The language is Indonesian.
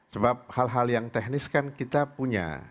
sebab hal hal yang teknis kan kita punya